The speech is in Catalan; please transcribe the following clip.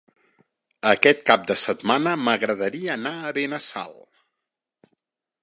Aquest cap de setmana m'agradaria anar a Benassal.